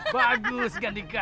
bagus kan dika